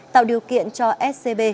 tạo điều kiện cho scb